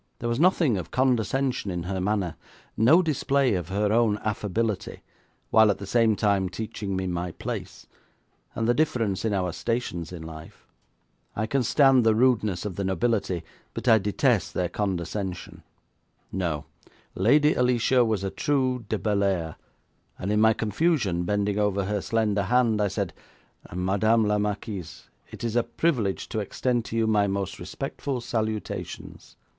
There was nothing of condescension in her manner; no display of her own affability, while at the same time teaching me my place, and the difference in our stations of life. I can stand the rudeness of the nobility, but I detest their condescension. No; Lady Alicia was a true de Bellairs, and in my confusion, bending over her slender hand, I said: 'Madame la Marquise, it is a privilege to extend to you my most respectful salutations.'